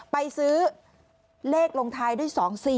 ไปซื้อเลขลงท้ายด้วย๒๔๔